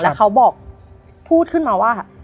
แล้วเขาบอกพูดขึ้นมาว่า